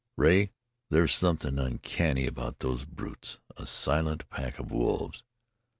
"Rea, there's something uncanny about those brutes. A silent pack of wolves!"